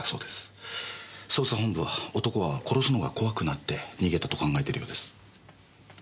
捜査本部は男は殺すのが怖くなって逃げたと考えてるようです。